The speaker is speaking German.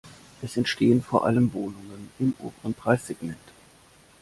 Es entstehen vor allem Wohnungen im oberen Preissegment.